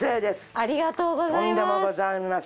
ありがとうございます。